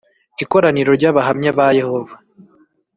ikoraniro ry Abahamya ba Yehova